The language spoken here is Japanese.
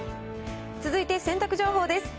続いて洗濯情報です。